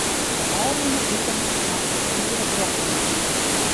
De ôfrûne wiken haw ik it tige drok hân.